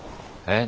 え？